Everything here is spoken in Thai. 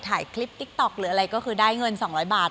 ถ่ายคลิปติ๊กต๊อกหรืออะไรก็คือได้เงิน๒๐๐บาท